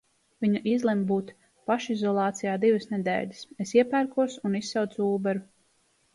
Viņa izlemj būt pašizolācijā divas nedēļas. Es iepērkos un izsaucu ūberu.